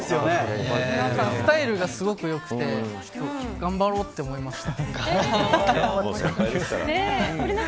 スタイルがすごく良くて頑張ろうって思いました。